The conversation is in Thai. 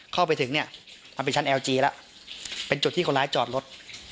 เข้าไปถึงเนี่ยมันเป็นชั้นเอลจีแล้วเป็นจุดที่คนร้ายจอดรถ